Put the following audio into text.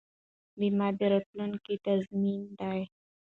بیمه د راتلونکي تضمین دی.